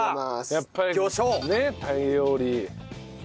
やっぱりタイ料理。